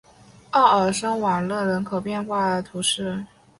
奥尔森瓦勒人口变化图示